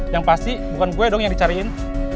yang pasti bukan gue dong yang dicariin